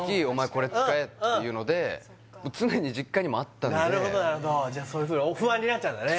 これ使えっていうのでもう常に実家にもあったんでなるほどなるほどじゃあ不安になっちゃうんだね